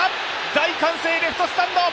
大歓声、レフトスタンド。